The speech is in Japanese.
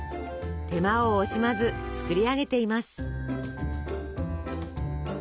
手間を惜しまず作り上げています。